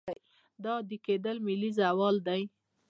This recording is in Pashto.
دا عادي کېدل ملي زوال دی.